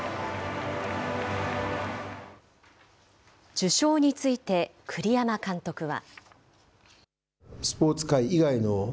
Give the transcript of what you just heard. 受章について、栗山監督は。